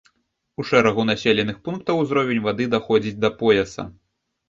У шэрагу населеных пунктаў ўзровень вады даходзіць да пояса.